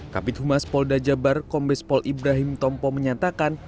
kapit humas pol dajabar kombes pol ibrahim tompo menyatakan